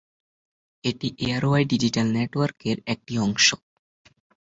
এটি এআরওয়াই ডিজিটাল নেটওয়ার্কের একটি অংশ।